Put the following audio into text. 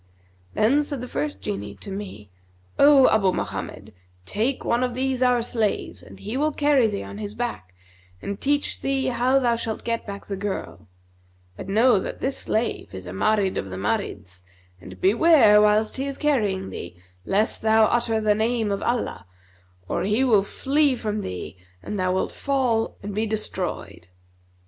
Then said the first Jinni to me, 'O Abu Mohammed, take one of these our slaves, and he will carry thee on his back and teach thee how thou shalt get back the girl; but know that this slave is a Marid of the Marids and beware, whilst he is carrying thee, lest thou utter the name of Allah, or he will flee from thee and thou wilt fall and be destroyed.'